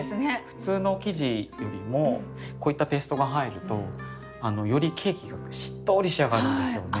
普通の生地よりもこういったペーストが入るとよりケーキがしっとり仕上がるんですよね。